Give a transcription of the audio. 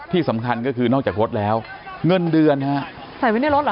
ที่สำคัญก็คือนอกจากรถแล้วเงินเดือนค่ะ